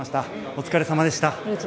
お疲れさまでした。